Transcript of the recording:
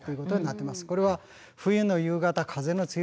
これは冬の夕方風の強い日。